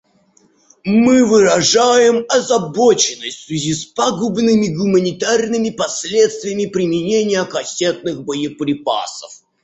Мы выражаем озабоченность в связи с пагубными гуманитарными последствиями применения кассетных боеприпасов.